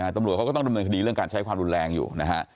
ตำรวจเขาก็ต้องดำเนินคดีเรื่องการใช้ความรุนแรงอยู่นะฮะ